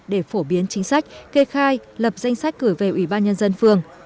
để phổ biến chính sách kê khai lập danh sách cử về ủy ban nhân dân phường